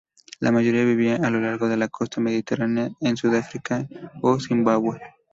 La mayoría vivía a lo largo de la costa mediterránea, en Sudáfrica, o Zimbabue.